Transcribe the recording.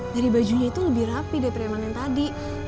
dari bajunya itu lebih rapi dari preman yang tadi